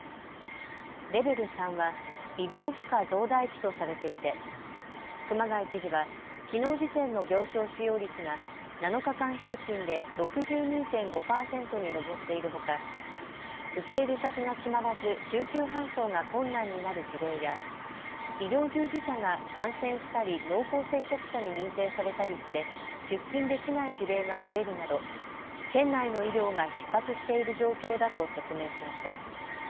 レベル３は医療負荷増大期とされていて熊谷知事はきのう時点の病床使用率が７日間平均で６２．５％に上っているほか、受け入れ先が決まらず救急搬送が困難になる事例や医療従事者が感染したり濃厚接触者に認定されたりして出勤できない事例が増えるなど県内の医療がひっ迫している状況だと説明しました。